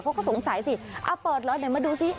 เขาก็สงสัยสิเปิดแล้วไหนมาดูสิ